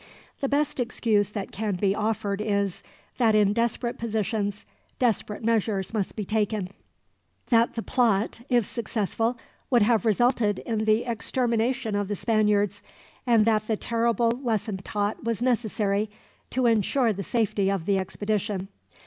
The best excuse that can be offered is, that in desperate positions desperate measures must be taken; that the plot, if successful, would have resulted in the extermination of the Spaniards; and that the terrible lesson taught was necessary, to ensure the safety of the expedition.